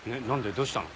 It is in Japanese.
どうしたの？